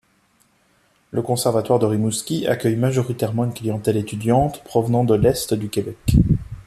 Le conservatoire de Rimouski accueille majoritairement une clientèle étudiante provenant de l'est du Québec.